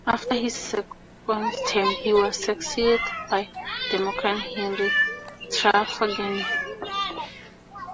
After his second term, he was succeeded by Democrat Henry Traphagen.